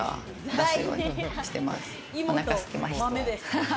お腹すきました。